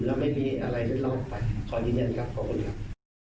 แล้วไม่มีอะไรเลือกล่อไปขอยินยันครับขอบคุณครับ